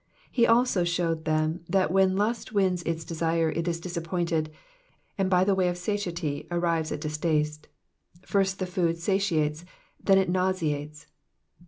He also shewed them that whtn lust wins its desire it is disappointed, and by the way of satiety arrives at distaste. First the food satiates, then it nauseates.